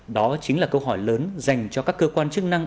đó chính là câu hỏi lớn dành cho các cơ quan chức năng